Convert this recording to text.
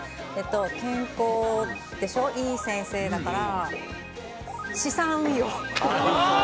健康でしょう、良い先生だから、資産運用。